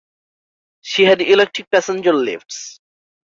She had electric passenger lifts.